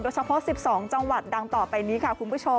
โดยเฉพาะสิบสองจังหวัดดังต่อไปนี้ค่ะคุณผู้ชม